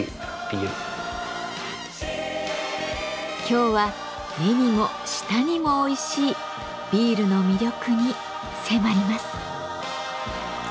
今日は目にも舌にもおいしいビールの魅力に迫ります。